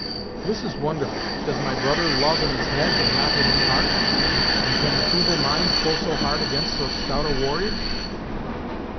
"This is wonderful! Does my brother love in his head, and not in his heart? And can the Feeble Mind pull so hard against so stout a warrior?"